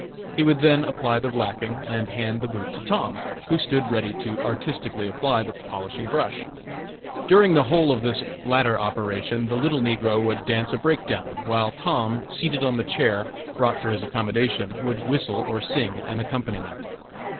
He would then apply the blacking and hand the boot to Tom, who stood ready to artistically apply the polishing brush. During the whole of this latter operation the little negro would dance a breakdown, while Tom, seated on the chair brought for his accommodation, would whistle or sing an accompaniment.